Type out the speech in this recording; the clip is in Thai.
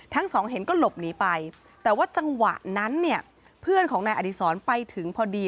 ทั้งสองเห็นก็หลบหนีไปแต่ว่าจังหวะนั้นเนี่ยเพื่อนของนายอดีศรไปถึงพอดี